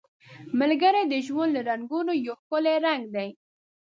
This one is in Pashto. ملګری د ژوند له رنګونو یو ښکلی رنګ دی